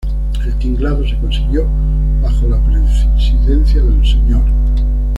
El tinglado se consiguió bajo la presidencia del sr.